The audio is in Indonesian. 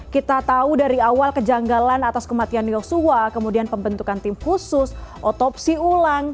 kita tahu dari awal kejanggalan atas kematian yosua kemudian pembentukan tim khusus otopsi ulang